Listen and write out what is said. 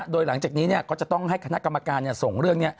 โดยหลังจากนี้ก็จะต้องให้คณะกรรมการส่งเรื่องนี้